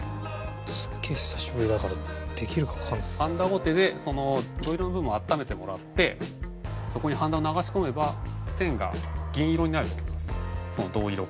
はんだごてでその銅色の部分を温めてもらってそこにはんだを流し込めば線が銀色になると思います銅色から。